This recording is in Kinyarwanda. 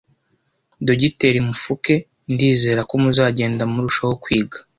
Dogiteri mufuke ndizera ko muzagenda murushaho kwiga